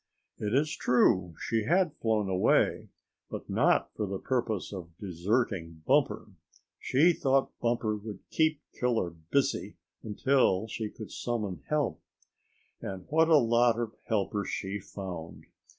It is true she had flown away, but not for the purpose of deserting Bumper. She thought Bumper would keep Killer busy until she could summon help. And what a lot of helpers she found!